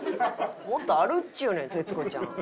もっとあるっちゅうねん徹子ちゃん。